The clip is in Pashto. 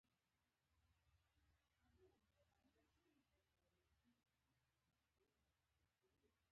ستړې اروا يې د خالق له رحمت سره یوځای شوې وه